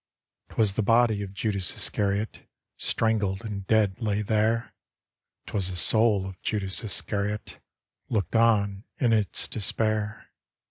"Twas the body of Judas Iscariot Strangled and dead lay there; "Twas the soul of Judas Iscariot Looked on in its despair.